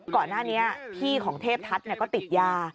ก่อนหน้านี้พี่ของเทพทัศน์ก็ติดยา